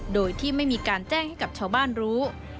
โดยที่ไม่มีการแจ้งให้กับชาวบ้านรู้